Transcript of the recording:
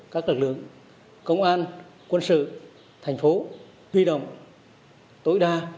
các lực lượng công an quân sự thành phố huy động tối đa